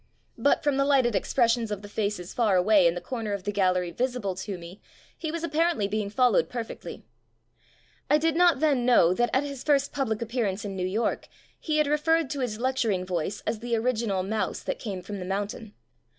But from the lighted expressions of 24 THE BOOKMAN the faces far away in the comer of the gallery visible to me, he was appar ently being followed perfectly. I did not then know that at his first public appearance in New York he had re ferred to his lecturing voice as the original mouse that came from the mountain.